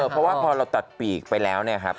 เพราะว่าพอเราตัดปีกไปแล้วเนี่ยครับ